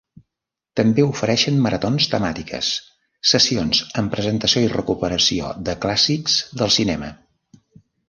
També ofereixen maratons temàtiques, sessions amb presentació i recuperació de clàssics del cinema.